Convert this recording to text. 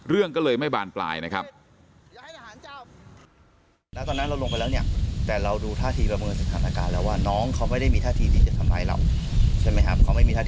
เรื่องก็เลยไม่บานปลายนะครับ